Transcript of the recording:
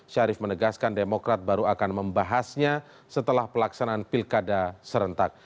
syarif menegaskan demokrat baru akan membahasnya setelah pelaksanaan pilkada serentak